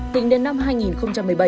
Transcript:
tính đến năm hai nghìn một mươi bảy